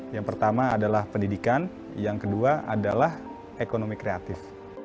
yang pertama adalah pendidikan yang kedua adalah ekonomi kreatif